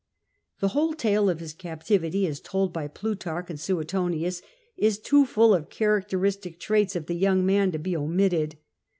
The whole tale of his captivity, as told by Plutarch and Suetonius, is too full of characteristic traits of the young man to be omitted.